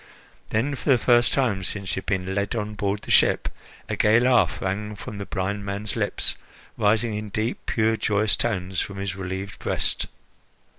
Then, for the first time since he had been led on board the ship, a gay laugh rang fro the blind man's lips, rising in deep, pure, joyous tones from his relieved breast.